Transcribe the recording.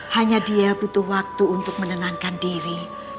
hanya dia butuh waktu untuk menenangkan diri